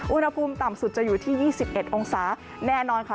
อุณหภูมิต่ำสุดจะอยู่ที่๒๑องศาแน่นอนค่ะ